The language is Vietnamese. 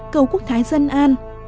cầu quốc thái dân an